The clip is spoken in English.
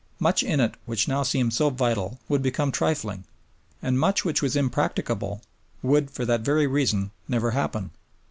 Much in it which now seemed so vital would become trifling, and much which was impracticable would for that very reason never happen.